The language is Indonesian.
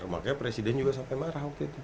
makanya presiden juga sampai marah waktu itu